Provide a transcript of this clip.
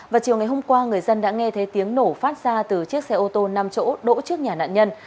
và chiều ngày hôm qua người dân đã nghe thấy tiếng nổ phát ra từ chiếc xe ô tô năm chỗ đỗ trước nhà nạn nhân